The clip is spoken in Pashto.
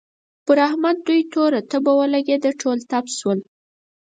پر احمد دوی توره تبه ولګېده؛ ټول تپ شول.